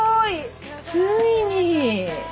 ついに。